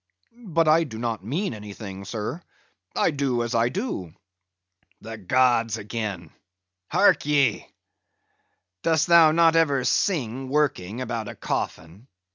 "But I do not mean anything, sir. I do as I do." "The gods again. Hark ye, dost thou not ever sing working about a coffin?